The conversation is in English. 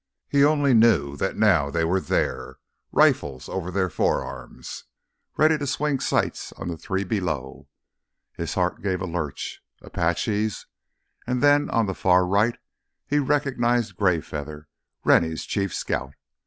He only knew that now they were there, rifles over their forearms, ready to swing sights on the three below. His heart gave a lurch—Apaches? And then on the far right he recognized Greyfeather, Rennie's chief scout.